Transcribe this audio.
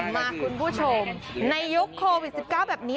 มาคุณผู้ชมในยุคโควิด๑๙แบบนี้